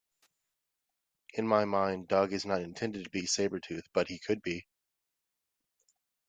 In my mind, Dog is not intended to be Sabretooth, but he could be.